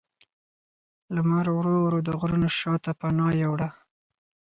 لمر ورو ورو د غرونو شا ته پناه یووړه